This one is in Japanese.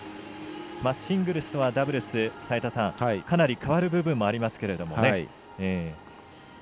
シングルスとダブルスでは変わる部分もありますけどね。